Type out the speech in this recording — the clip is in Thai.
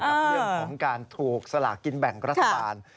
กับเรื่องของการถูกสลากกินแบ่งรัฐบาล